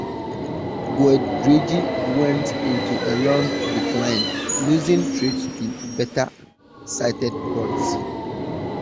Goederede went into a long decline, losing trade to better-sited ports.